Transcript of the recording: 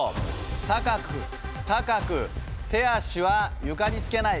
高く高く手足は床につけない。